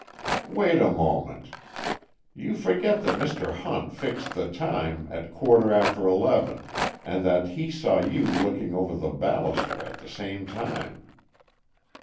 "Wait a moment—you forget that Mr. Hunt fixed the time at quarter after eleven, and that he saw you looking over the baluster at the same time."